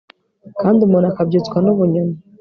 kandi umuntu akabyutswa n'ubunyoni